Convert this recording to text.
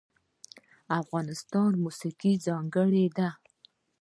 د افغانستان موسیقی ځانګړې ده